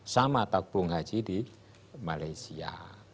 sama tabung haji di malaysia